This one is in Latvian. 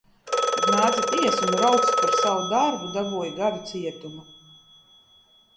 Tad nāca tiesa un Rolfs par savu darbu dabūja gadu cietuma.